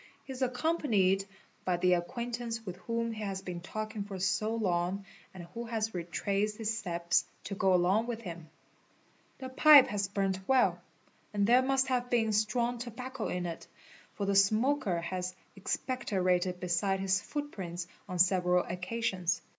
He is accompanied by the acquaintance with whom he has been talking for so long and who has retraced his steps to go along with him. 'The pipe has burnt well, and there must have been strong tobacco in it, for the smoker has expecto rated beside his footprints on several occasions.